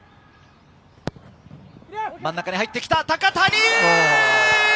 真ん中に入ってきた、高谷！